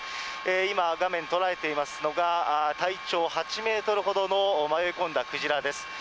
今、画面捉えていますのが、体長８メートルほどの迷い込んだクジラです。